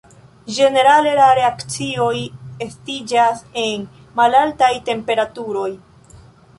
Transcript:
Ĝenerale la reakcioj estiĝas en malaltaj temperaturoj.